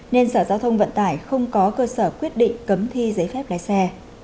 nên sở giao thông vận tải không có cơ sở quyết định cấm thi giấy phép lái xe